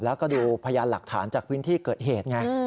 แล้วก็ดูพยานหลักฐานจากพื้นที่เกิดเหตุไง